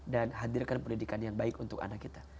dan hadirkan pendidikan yang baik untuk anak kita